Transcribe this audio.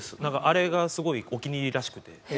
あれがすごいお気に入りらしくて。